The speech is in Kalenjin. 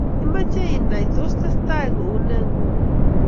imeche inai tos tesetai kou nee nguni?